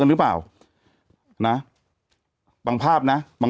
แต่หนูจะเอากับน้องเขามาแต่ว่า